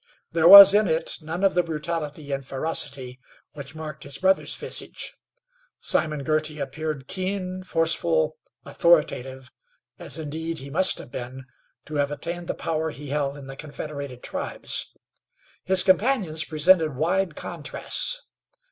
There was in it none of the brutality and ferocity which marked his brother's visage. Simon Girty appeared keen, forceful, authoritative, as, indeed, he must have been to have attained the power he held in the confederated tribes. His companions presented wide contrasts.